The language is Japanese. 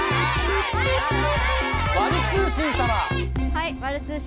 はい。